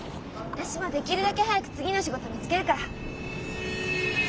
私もできるだけ早く次の仕事見つけるから。